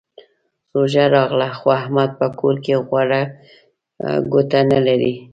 روژه راغله؛ خو احمد په کور کې غوړه ګوته نه لري.